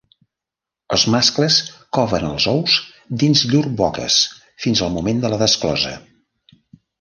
Els mascles coven els ous dins llurs boques fins al moment de la desclosa.